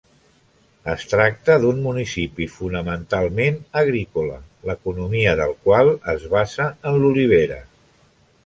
Es tracta d'un municipi fonamentalment agrícola l'economia del qual es basa en l'olivera.